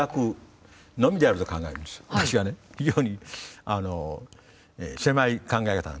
非常に狭い考え方なんです。